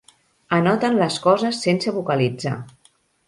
Anoten les coses sense vocalitzar.